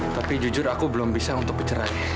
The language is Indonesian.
tapi jujur aku belum bisa untuk pecerah